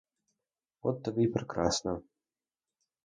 От тобі й прекрасна.